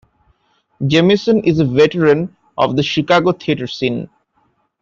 Jemison is a veteran of the Chicago theatre scene.